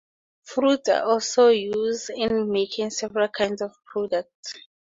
Fruits are also use in making several kinds of products.